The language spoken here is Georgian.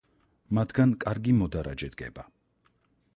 მათგან კარგი მოდარაჯე დგება.